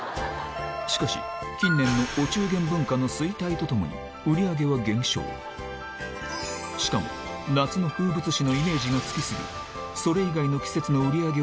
しかし近年のお中元文化の衰退とともに売り上げは減少しかも夏の風物詩のイメージがつき過ぎ